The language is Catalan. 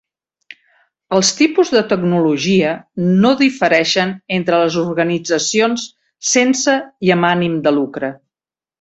Els tipus de tecnologia no difereixen entre les organitzacions sense i amb ànim de lucre.